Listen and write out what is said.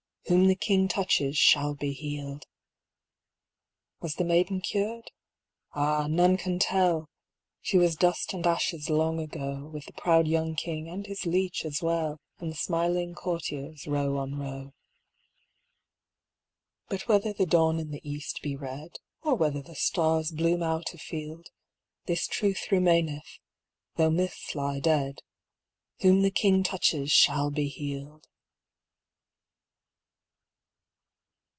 Whom the King touches shall be healed !" Was the maiden cured ? Ah, none can tell ! She was dust and ashes long ago, With the proud young king and his leech as well, And the smiling courtiers, row on row. But whether the dawn in the east be red, Or whether the stars bloom out afield, This truth remaineth, tho' myths lie dead :*' Whom the King touches shall be healed